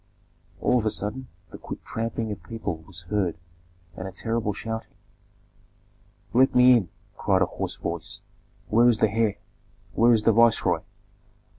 All on a sudden the quick tramping of people was heard and a terrible shouting. "Let me in!" cried a hoarse voice. "Where is the heir? Where is the viceroy?"